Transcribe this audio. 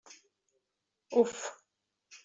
Uf!